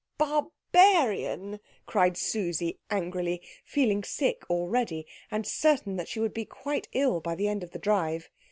"Barbarian!" cried Susie angrily, feeling sick already, and certain that she would be quite ill by the end of the drive.